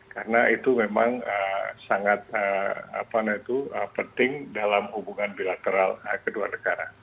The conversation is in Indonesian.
karena itu memang sangat penting dalam hubungan bilateral kedua negara